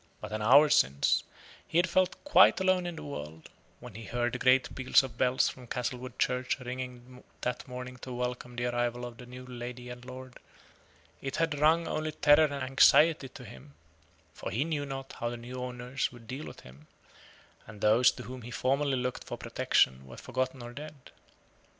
But an hour since, he had felt quite alone in the world: when he heard the great peal of bells from Castlewood church ringing that morning to welcome the arrival of the new lord and lady, it had rung only terror and anxiety to him, for he knew not how the new owner would deal with him; and those to whom he formerly looked for protection were forgotten or dead.